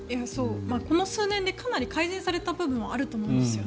この数年でかなり改善された部分もあると思うんですよ。